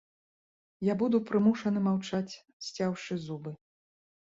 Я буду прымушаны маўчаць, сцяўшы зубы.